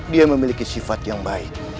dia memiliki sifat yang baik